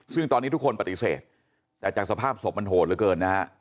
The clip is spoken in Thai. ซึ่งตอนนี้ทุกคนปฏิเสธแต่จากสภาพศพมันโหดเหลือเกินนะฮะ